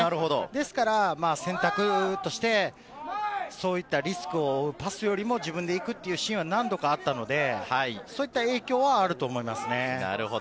ですから選択として、そういったリスクを負うパスよりも自分でいくというシーンが何度かあったので、そういった影響はあると思いますね。